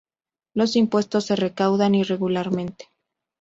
Los impuestos se recaudan irregularmente.